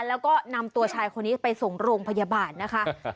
แล้วก็นำตัวชายคนนี้ไปส่งโรงพยาบาลนะคะ